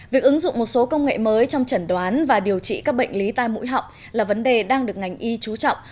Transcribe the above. việc ứng dụng một số công nghệ mới trong chẩn đoán và điều trị các bệnh lý tai mũi họng là vấn đề đang được ngành y chú trọng